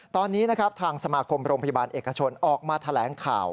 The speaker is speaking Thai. ตอนนี้นะครับทางสมาคมโรงพยาบาลเอกชนออกมาแถลงข่าว